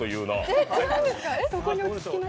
えっ違うんですか？